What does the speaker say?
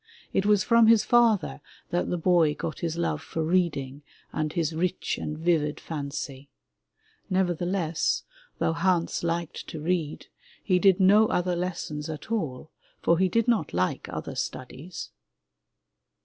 It was from his father that the boy got his love for reading and his rich and vivid fancy. Nevertheless, though Hans liked to read, he did no other lessons at all, for he did not like other studies.